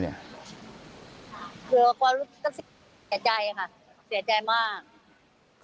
คือผมก็เสียใจเสียใจมาก